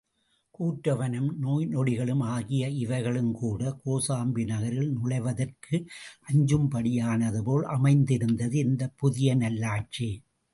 கூற்றுவனும், நோய் நொடிகளும் ஆகிய இவைகளும்கூடக் கோசாம்பி நகரில் நுழைவதற்கு அஞ்சும்படியானதுபோல அமைந்திருந்தது இந்தப் புதிய நல்லாட்சி.